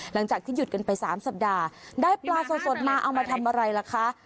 หลังจากที่หยุดกันไป๓สัปดาห์ได้ปลาสดมาเอามาทำอะไรล่ะคะ